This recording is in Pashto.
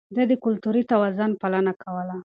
ده د کلتوري توازن پالنه کوله.